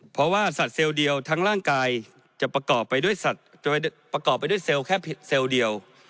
เพราะว่าสัตว์เซลล์เดียวทั้งร่างกายจะประกอบไปด้วยประกอบไปด้วยเซลล์แค่เซลล์เดียว